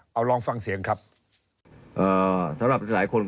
เอาลองฟังเสียงครับ